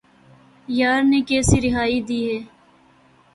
یار نے کیسی رہائی دی ہے